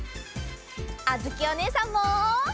あづきおねえさんも。